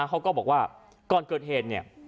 เขาก็บอกว่าก่อนเกิดเหตุเนี่ย